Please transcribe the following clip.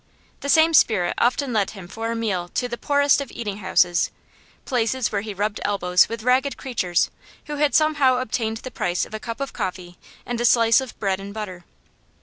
The same spirit often led him for a meal to the poorest of eating houses, places where he rubbed elbows with ragged creatures who had somehow obtained the price of a cup of coffee and a slice of bread and butter.